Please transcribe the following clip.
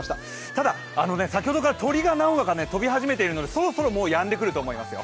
ただ先ほどから鳥が何羽か飛び始めているのでそろそろもうやんでくると思いますよ。